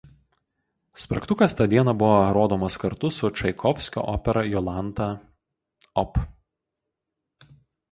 Spragtukas tą dieną buvo rodomas kartu su Čaikovskio opera Jolanta Op.